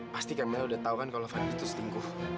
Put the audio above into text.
pasti kamila sudah tahu kalau fadli itu setingguh